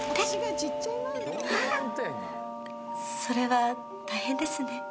それは大変ですね。